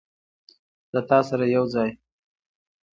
له تا سره یوځای